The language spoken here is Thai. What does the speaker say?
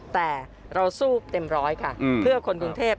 แต่เราสู้เต็มร้อยค่ะเพื่อคนกรุงเทพ